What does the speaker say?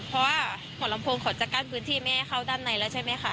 เพราะว่าหัวลำโพงเขาจะกั้นพื้นที่ไม่ให้เข้าด้านในแล้วใช่ไหมคะ